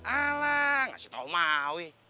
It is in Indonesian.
alang kasih tau mawi